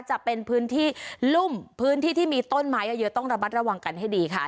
จะเป็นพื้นที่ลุ่มพื้นที่ที่มีต้นไม้เยอะต้องระมัดระวังกันให้ดีค่ะ